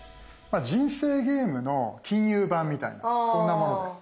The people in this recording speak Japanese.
人生ゲームの金融版みたいなそんなものです。